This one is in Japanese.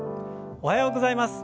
おはようございます。